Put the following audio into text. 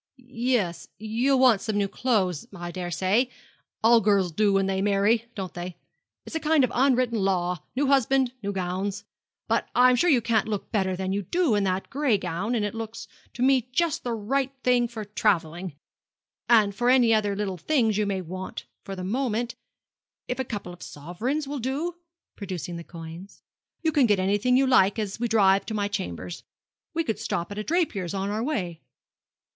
'Yes, you'll want some new clothes, I daresay. All girls do when they marry, don't they? It's a kind of unwritten law new husband, new gowns. But I'm sure you can't look better than you do in that gray gown, and it looks to me just the right thing for travelling. And for any other little things you may want for the moment, if a couple of sovereigns will do' producing those coins 'you can get anything you like as we drive to my chambers. We could stop at a draper's on our way.'